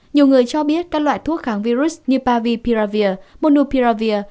nhiều người cho biết các loại thuốc kháng virus như paviravir monopiravir